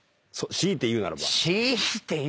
強いて言うなら？